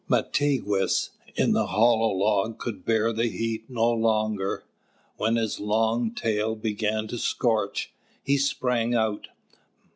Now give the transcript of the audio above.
Mātigwess in the hollow log could bear the heat no longer. When his long tail began to scorch, he sprang out.